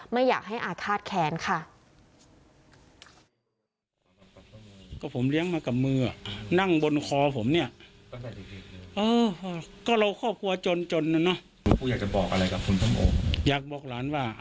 ไม่อยากให้อาฆาตแค้นค่ะ